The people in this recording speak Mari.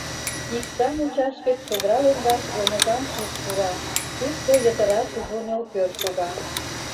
Икса мучаш гыч чодыра лоҥгаш омыжан куп пура, тушто йытыра кужу нӧлпер шога.